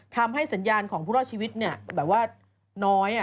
ทำให้สัญญาณของผู้รอดชีวิตแบบว่าน้อย